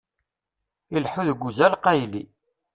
Ileḥḥu deg uzal qayli.